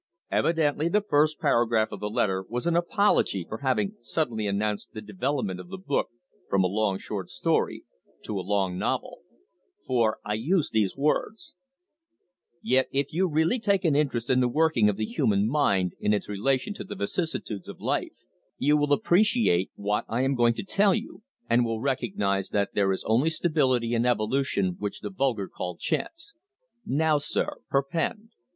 Evidently the first paragraph of the letter was an apology for having suddenly announced the development of the book from a long short story to a long novel; for I used these words: "Yet if you really take an interest in the working of the human mind in its relation to the vicissitudes of life, you will appreciate what I am going to tell you, and will recognise that there is only stability in evolution which the vulgar call chance.... Now, sir, perpend.